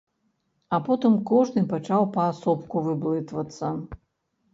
А потым кожны пачаў паасобку выблытвацца.